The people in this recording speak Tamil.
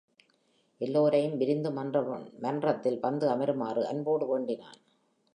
எல்லோரையும் விருந்து மன்றத்தில் வந்து அமருமாறு அன்போடு வேண்டினான்.